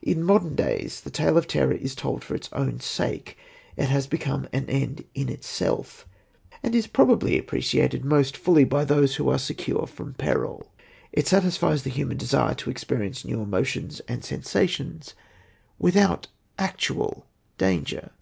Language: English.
In modern days the tale of terror is told for its own sake. It has become an end in itself, and is probably appreciated most fully by those who are secure from peril. It satisfies the human desire to experience new emotions and sensations, without actual danger.